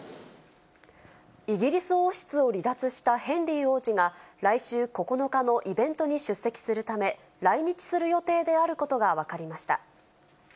イギリス王室を離脱したヘンリー王子が、来週９日のイベントに出席するため、来日する予定であることが分かりました。